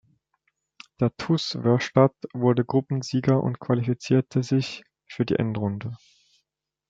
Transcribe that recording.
Der TuS Wörrstadt wurde Gruppensieger und qualifizierte sich für die Endrunde.